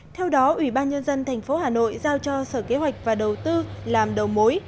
theo đó ủy ban nhân dân tp hà nội giao cho sở kế hoạch và đầu tư làm đầu mối